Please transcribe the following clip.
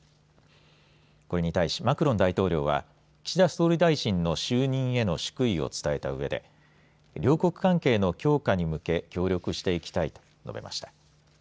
これに対しマクロン大統領は岸田総理大臣の就任への祝意を伝えたうえで両国関係の強化に向け協力していきたいと述べました。